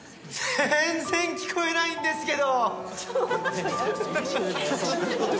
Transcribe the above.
全然聞こえないんですけど。